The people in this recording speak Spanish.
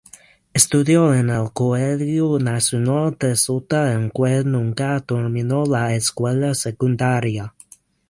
Estudió en el Colegio Nacional de Salta, aunque nunca terminó la escuela secundaria.